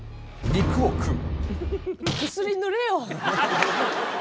肉を食う？